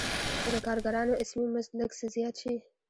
که د کارګرانو اسمي مزد لږ څه زیات شي